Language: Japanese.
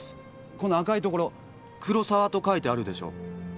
この赤いところ「黒澤」と書いてあるでしょ。